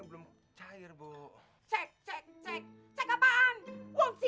tidak ada kata berhenti